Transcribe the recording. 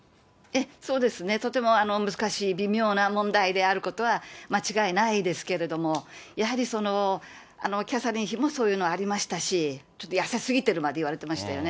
そうですね、とても難しい、微妙な問題であることは間違いないですけれども、やはりその、キャサリン妃もそういうのありましたし、ちょっと痩せすぎてるまでいわれてましたよね。